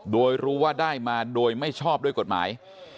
โดยรู้ว่าได้มาโดยไม่ชอบด้วยกฎหมาย